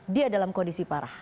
dia dalam kondisi parah